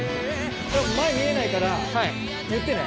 前見えないから言ってね。